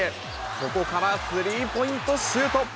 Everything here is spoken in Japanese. ここからスリーポイントシュート。